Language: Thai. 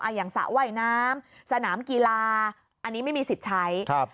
อย่างสระว่ายน้ำสนามกีฬาอันนี้ไม่มีสิทธิ์ใช้ครับ